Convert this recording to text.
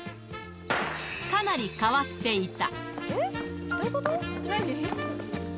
かなり変わっていた。